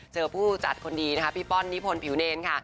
ผู้จัดคนดีนะคะพี่ป้อนนิพนธผิวเนรค่ะ